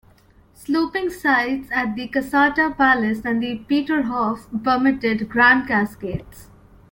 Sloping sites at Caserta Palace and Peterhof permitted grand cascades.